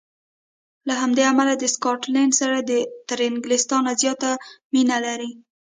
له همدې امله د سکاټلنډ سره تر انګلیستان زیاته مینه لري.